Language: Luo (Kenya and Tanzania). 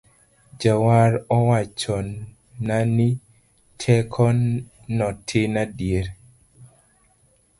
Jawar owachona ni teko notin adier